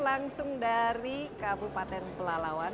langsung dari kabupaten pelalawan